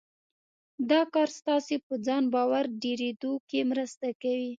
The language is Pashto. دا کار ستاسې په ځان باور ډېرېدو کې مرسته کوي.